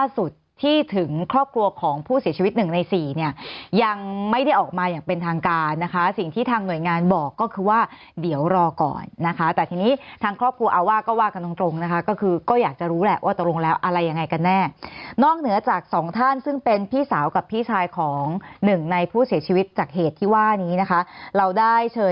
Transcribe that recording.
สุดที่ถึงครอบครัวของผู้เสียชีวิตหนึ่งในสี่เนี่ยยังไม่ได้ออกมาอย่างเป็นทางการนะคะสิ่งที่ทางหน่วยงานบอกก็คือว่าเดี๋ยวรอก่อนนะคะแต่ทีนี้ทางครอบครัวอาว่าก็ว่ากันตรงตรงนะคะก็คือก็อยากจะรู้แหละว่าตกลงแล้วอะไรยังไงกันแน่นอกเหนือจากสองท่านซึ่งเป็นพี่สาวกับพี่ชายของหนึ่งในผู้เสียชีวิตจากเหตุที่ว่านี้นะคะเราได้เช